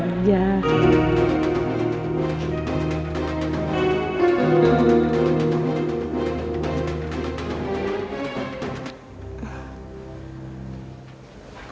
mata isti rahat ya